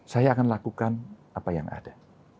saya akan lakukan apa yang ada